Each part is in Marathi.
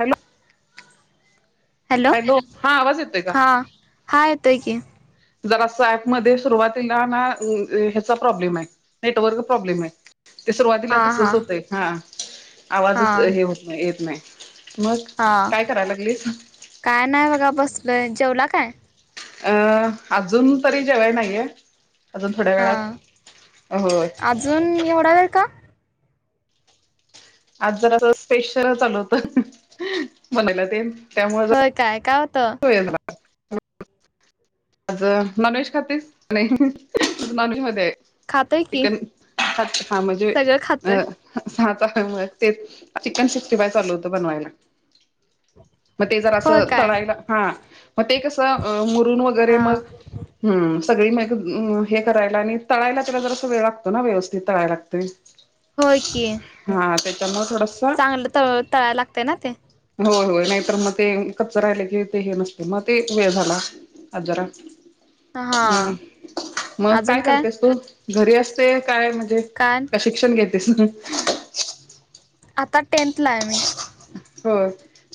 हॅलो. हॅलो, हा आवाज येतोय का? हां. हा येतोय की. जरासा ऍपमध्ये सुरुवातीला ना, ह्याचा प्रॉब्लेम आहे नेटवर्क प्रॉब्लेम आहे. ते हा सुरुवातीला हा तसच होतय. हा, हा आवाजच हे होत नाही, येत नाही. मग हा काय करायला लागलीस? काय नाही बघा बसलोय. जेवला काय? अं अजून तरी जेवये नाहीये. अजून थोड्या हा वेळात. होय. अजून एवढा वेळ का? आज जरा स्पेशल चालू होत, बनायला ते न त्यामुळे होय काय जरा काय होतं? [inaudible] आज नॉनव्हेज खातीस? नाही. नॉनव्हेज मध्ये खातोय की चिकन [unintelligible] म्हणजे सगळं खातोय अं [unintelligible] तेच चिकन सिक्स्टी फाइव्ह चालू होतं बनवायला. मग ते जरा अस होय काय तळायला, हा मग ते कस मुरून गरे हा मग हम्म, सगळी म हे करायला आणि तळायला त्याला जर अस वेळ लागतो ना, व्यवस्थित तळाय लागतय. होय की, त्याच्यामुळे थोडसा चांगलं तळ तळायला लागतय ना ते. होय होय. नाहीतर मग ते कच्च राहिले की ते हे नसते, मग ते वेळ झाला. आज जरा. हा हम्म, मग काय करतेस तू? घरी असते काय म्हणजे? का का शिक्षण घेतेस? आता टेन्थ ला आहे मी. हो,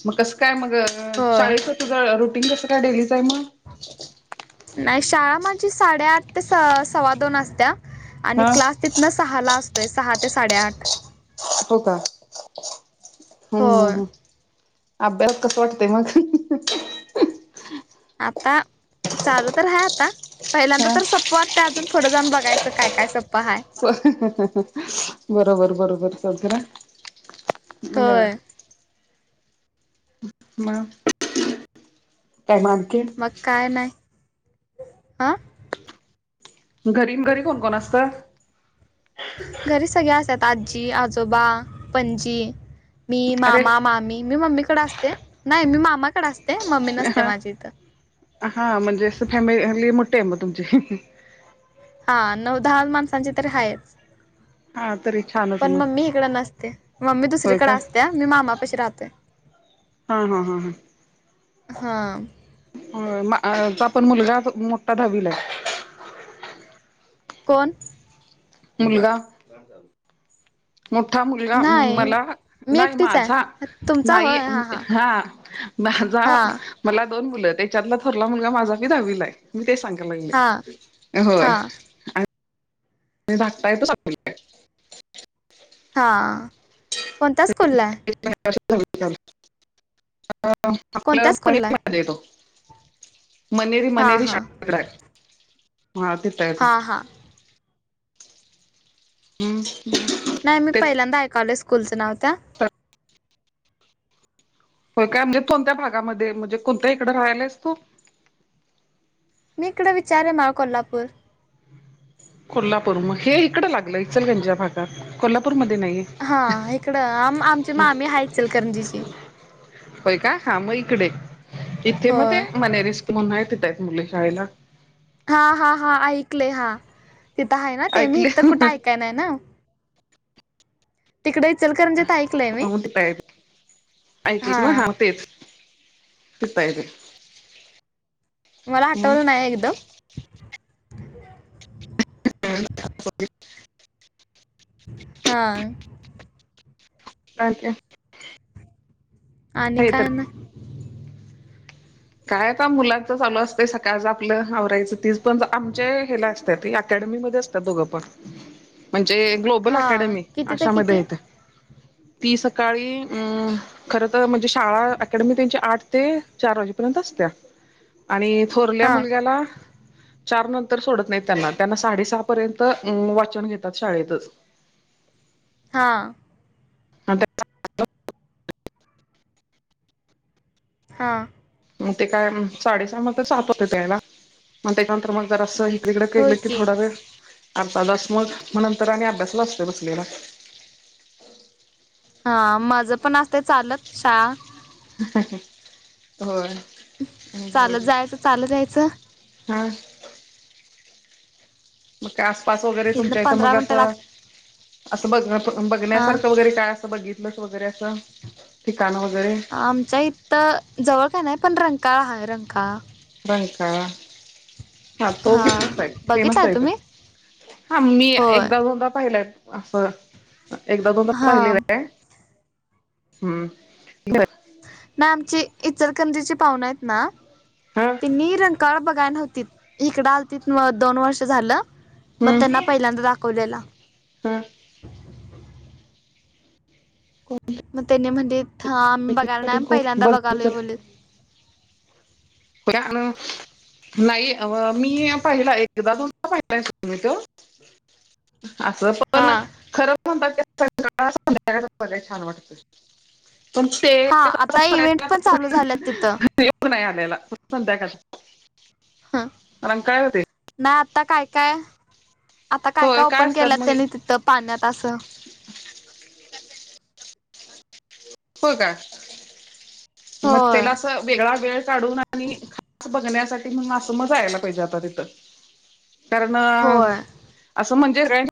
मग कसं काय मग हो शाळेच तुझं? रुटीन कसं काय डेलीचं आहे मग? नाही. शाळा माझी साडे आठ ते सव्वा दोन असत्या आणि हा क्लास तिथनं सहाला असतोय. सहा ते साडेआठ. हो का. हं हं होय हम्म, आभ्यास कस वाटते मग? [inaudible] आता चालू तर हाय आता, पहिल्यांदा हा. तर सोपवट ते अजून फुडं जाऊन बघायचं. काय काय सोपं हाय. बरोबर बरोबर. [unintelligible] होय [unintelligible] मग काय मग आणखी? मग काय नाही. हं. घरी-घरी, मग कोण-कोण असतं? घरी सगळ्या असतात आजी, आजोबा, पणजी. मी अरे मामा, मामी मी मम्मीकडे असते. नाही, मी मामाकडे असते. मम्मी नसते हा. माझी इथं. हा, म्हणजे फॅमिली-फॅमिली मोठे आहे मग तुमची. हा, नऊ-दहा माणसांची तरी हाच. हा, तरी. छानच पण मग मम्मी इकड नसते. मम्मी होय दुसरीकडे का? असते. मी मामापाशी राहतोय. हा-हा, हा-हा. हां. होय, मग पण मुलगा मोठा दहावीला आहे. कोण? मुलगा. मोठा मुलगा नाही मला मी नाही, एकटीच माझा आहे तुमचा नाही, होय हां हां हा माझा. हां मला दोन मुलं त्याच्यातला थोरला मुलगा माझा बी दहावीलाय, मी ते सांगा लागले हां होय. हां तुम्ही झाकताय, तो सांगतोय. हां, कोणत्या स्कूलला आहे? [unintelligible] अं, आपल्या कोणत्या स्कूलला आहे मणेरीमध्ये तो हां मणेरी-मणेरी हां शाळा तिकडं आहे, हा, ते. हा-हा. हम्. [inaudible] नाही, मी पहिल्यांदा ऐकालोय स्कूलचं नाव त्या. हो, काय म्हणजे कोणत्या भागामध्ये? म्हणजे कोणत्या इकडे राहियलास तू? मी इकडे विचार आहे, महा कोल्हापूर. कोल्हापूर मग हे इकडं लागलं, इचलकरंजी या भागात. कोल्हापूरमध्ये नाहीे. हा, इकडं आम आमची मामी आहेय इचलकरंजीची. होय का? हा, मग इकडे इथे हो मग ते मणेरी रिस्क म्हणून तिथं मुलं शाळेला हा-हा, हा ऐकले, हा तिथं आहे ना ते? मी ऐकले इथं कुठे ऐकाय नाही ना. तिकडे इचलकरंजीत ऐकलं आहे मी [unintelligible] ऐकलं ना? हां हा, तेच तिथंय ते. मला मग आटवलं नाही एकदम. [inaudible] हा. अच्छा. आणि हे तर काय ना काय, आता मुलांचं चालू असतं. सकाळच आपलं आवरायचं, तीच पण आमच्या हेला अकॅडमीमध्ये असतात दोघं, पण म्हणजे ग्लोबल हां अकॅडमी किती ते अशामध्ये किती येत. ती सकाळी, अं, खर तर म्हणजे शाळा- अकॅडमी त्यांची आठ ते चार वाजे पर्यंत असत्या. आणि थोरल्या हां मुलग्याला चार नंतर सोडत नाही त्यांना. त्यांना साडे सहा पर्यंत वाचन घेतात, शाळेतच. हा. मग हां. मग ते काय साडेसहामध्ये सापत त्यायला? मग त्याच्यानंतर मग जर असं. तकडं कालं की थोडा वेळ अर्तादाास मग मग नंतर आणि अभ्यासला असतो बसलेला. हा माझं पण असत चालत शहा. हो चालत जायचं चालत यायचं ब. हा. मग काय आसपास वगैरे इथनं तुमच्या इथं पंधरा मग मिनिटं लाग असं. असं बघ हा बघण्यासारखं वगैरे काय असं बघितलंच वगैरे असं ठिकाणं वगैरे. आमच्या इथ जवळ काय नाही पण रंगकाळ हाय रंकाळ. बां का. हा तो फेमस आहे फेमस बघितलाय आहे तुम्ही हा मी होय एकदा दोनदा पाहिलाय. असं एकदा दोन तास हा राहिले र हम्म. नाही आमची इतरकंदीची पाहुणं आहेत ना. हा त नि रंकाळ बघाय नव्हती इकडं आलतीत म दोन वर्ष झालं. मग त्यांना हम्म पहिल्यांदा दाखवलेला. हा. मग त्यांनी म्हटली आम्ही बघायला नाही पहिल्यांदा बघालोय बघ बोललीत. होण. नाही मी पाहिला एकदा दोनदा पाहिलाय तुम्ही तो. असं. हा पण खरं म्हणतात की छान वाटत पण. ते हा तसं आता इव्हेंट बघायला पण चालू झाल्यात तिथं. योग नाही आलेलाध्याका मंग काय होते. नाही आता काय काय आता काय होय काय ओपन असतात केलंत मग त्यांनी तिथं पाण्यात असं. हो का मग होय त्याला वेगळा वेळ काढ. आणि खास बघण्यासाठी मग असं मजा यायला पाहिजे आता तिथं. कारण होय असं म्हणजे का.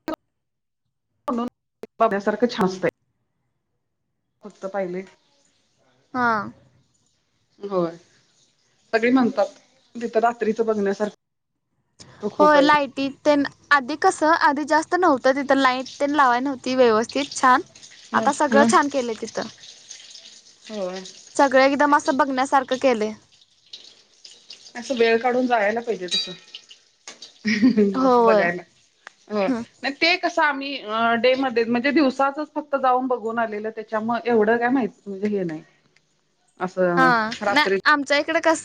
सारखं छासतं. फक्त पायलट. हां. होय सगळी म्हणतात तिथं रात्रीचं बघण्यासारखं. हो खूप आहे लाईटी. ते आधी कस आधी जास्त नव्हतं तिथं लाईट प लावाय नव्हती व्यवस्थित छान. ह आता हा सगळं छान केलं तिथं. हो. सगळे एकदम असं बघण्यासारखं केले. असं वेळ काढून जायला पाहिजे तसं असं होय बघायला. नाही ते कस आम्ही डे म म्हणजेव. तचच फक्त जाऊन बघून आलेलं त्याच्या मग एवढं काय माहिती म्हणजे हे नाही. असं हा नाही रात्रीच आमचा एक. त कस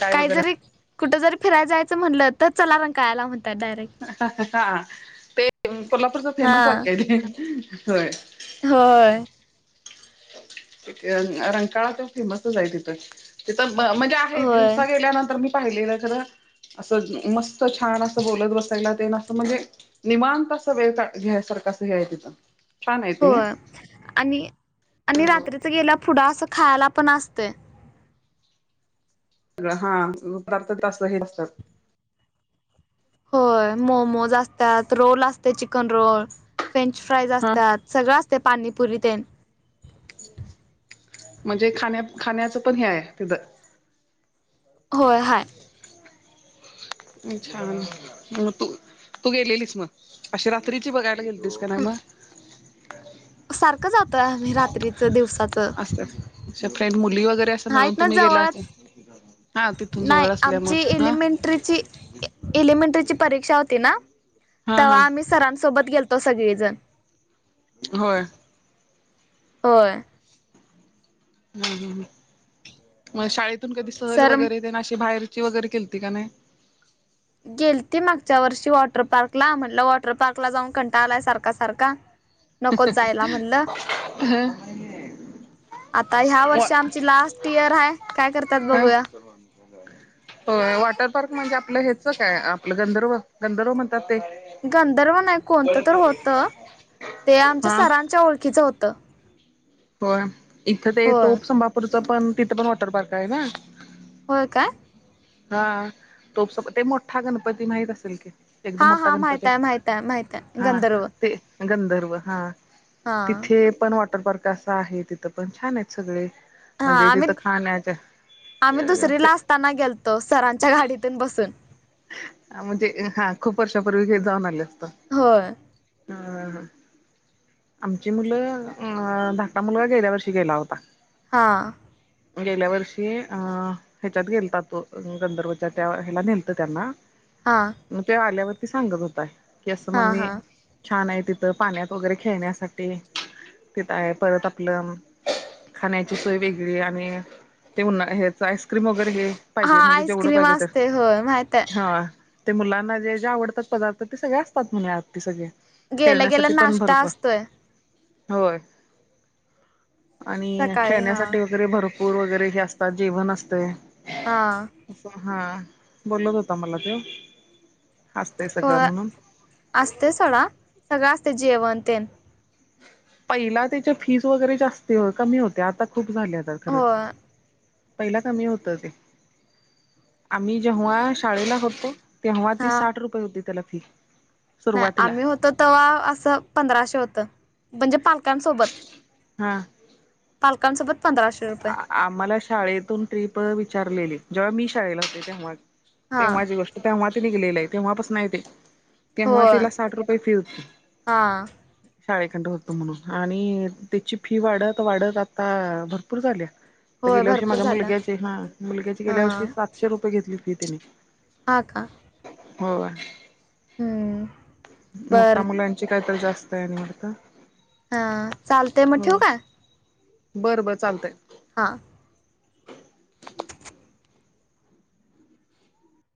काय काही वगैरे जरी कुठ जरी फिरायला जायचं म्हटलं तर चला रण कायला म्हणतात डायरेक्ट. हा ते कोल्हापूरचा हा फेमस आहे काय ते होय. होय. रंकाळा ते फेमसच आहे तिथं तिथं म्हणजे आहे होय दिवसा गेल्यानंतर मी. पाहिलेलं कर असं मस्त छान असं बोलत बसायला ते ना असं म्हणजे. निमां तस वेळ का घ्यायसारख असं हेय तिथून. होय आणि आणि रात्रीच गेल्या पुढं असं खायला पण असते. गळा. हा. प्रत्येक टास्कला हे असतात. होय. मोमोज असतात. रोल असतय, चिकन रोल. फ्रेंच फ्राईज हा असतात. सगळं असतंय. पाणी पूरी न ते. म्हणजे खाण्या- खाण्याचं पण हे याय तिथं. होय. हाय. अच्छा. मग तू, तू गेलेलीस मग. अशी रात्रीची बघायला गेली लीस का नाही, मग? सारखं जातोय आम्ही. रात्रीच, दिवसाच. असेल. तुझ्या फ्रेंड मुली वगैरे असं मिळून हायत ना, तुम्ही गेला जवळच. असेल हा तिथून नाही, जवळ असल्या आमची मग हा एलिमेंट्रीची ए एलिमेंट्रीची परीक्षा होती ना, हा हा तव्हा आम्ही सरांसोबत गेल तो, सगळीजण. [inaudible] होय. होय. हम्म, हम्म, हम्म. मग शाळेतून कधी सहल सर वगैरे, तेन अशी बाहेरची वगैरे, केलती का नाही? गेलती मागच्या वर्षी वॉटर पार्कला. म्हणलं, वॉटर पार्कला जाऊन कंटाळा आलाय सारखा - सारखा. [inaudible] नकोच जायला म्हणलं. आता ह्या वा वर्षी आमची लास स्ट यिअर हाय. काय कर आं. हो. वॉटर पार्क म्हणजे? आपलं हेचं काय? आपलं गंधर्व. गंधर्व म्हणतात ते. गंधर्व नाही. कोणतं तर होतं. ते आमच्या हा सरांच्या ओळखीचं होतं. होय. इथं ते, होय टोप संभापूरचं पण, तिथं पण वॉटर पार्कय ना? होय, का? हां. टोपचा, ते मोठा गणपती, माहित असेल की? एकदम हा मोठा हा माहित गणपतीय. आहे माहित आहे माहित आहे हां. गंधर्व ते. ते गंधर्व. हां. हा तिथे पण वॉटर पार्क असा आहे. तिथं पण, छानयत सगळे. हा म्हणजे आम्ही तिथं खाण्याच्या, अ ते ताना गेलतो. सरांच्या गाडीतून बसून. म्हणजे, हां. खूप वर्षापूर्वी गे जाऊन आले होतो. होय. हा. आमची मुलं, अ धाकटा मुलगा, गेल्या वर्षी गेला होता. हा. गेल्या वर्षी, अ ह्याच्यात गेलता तो. अ गंधर्वच्या त्या ह्याला न्हेल लतं त्यांना. हा. म ते आल्यावरती सांगत होता. की, असं हा मम्मी हा छानय तिथं. पाण्यात वगैरे खेळण्यासाठी. तिथंय. परत आपलं खाण्याची सोय वेगळी. आणि ते उन्हा, हेचं आईस्क्रीम वगैरे, हे हां पाहिजे आईस्क्रीम असतंय. होय, माहितंय. हां. ते मुलांना जे - जे आवडतात पदार्थ. ते सगळे असतात म्हणे, आत ते सगळे. गेल्या गेल्या खेळण्यासाठी पण नाश्ता भरप असतोय होय. आणि सकाळी हा खेण्यासाठी वगैरे, भर पूर वगैरे हेे असतात. जेवण असतंय. हां. असं हां बोलत होता मला त्यो असतंय सगळं म्हणून. असतंय सोडा सगळं असतंय जेवण तेन पहिला त्याच्या फीस वगैरे जास्ती कमी होत्या आता खूप झाल्या तर खरं. हो पहिला कमी होतं ते आम्ही जेव्हा शाळेला होतो तेव्हा ती हा साठ रुपये होती त्याला फी नाही सुरुवातीला. आम्ही होतो तवा असं पंधराशे होतं म्हणजे पालकांसोबत. हां. पालकांसोबत पंधराशे रुपये आम्हाला शाळेतून ट्रिप विचारलेली जेव्हा मी शाळेला होते तेव्हा हा तेव्हाची गोष्ट. तेव्हा ते निघलेलं ये तेव्हापासन ये ते तेव्हा होय तिला साठ रुपये फी होती. हा शाळेकडनं होतं म्हणून आणि त्याची फी वाढत वाढत आता भरपूर झाल्या. आता होय गेल्या वर्षी भरपूर माझ्या झालं मुलग्याची हां मुलग्याची हा गेल्या वर्षी सातशे रुपये घेतली फी त्यांनी. हां का? होय. हम्म मोटा बर मुलांची कायतर जास्त आहे न वाटतं. हा चालतय मग हो ठेवू का? बरं बरं चालतंय. हां